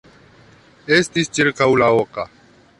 Estis ĉirkaŭ la oka.